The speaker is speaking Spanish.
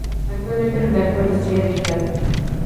Actualmente es redactor de Estrella Digital